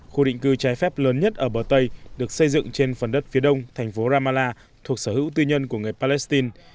khu định cư trái phép lớn nhất ở bờ tây được xây dựng trên phần đất phía đông thành phố ramallah thuộc sở hữu tư nhân của người palestine